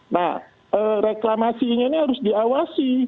nah reklamasinya ini harus diawasi